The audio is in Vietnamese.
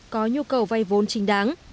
có nhu cầu vay vốn chính đáng